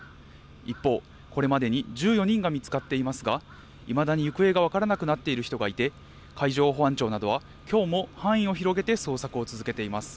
一方、これまでに１４人が見つかっていますがいまだに行方が分からなくなっている人がいて海上保安庁などはきょうも範囲を広げて捜索を続けています。